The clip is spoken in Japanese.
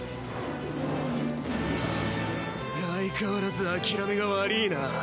相変わらず諦めがわりいな。